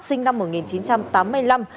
sinh năm một nghìn chín trăm tám mươi năm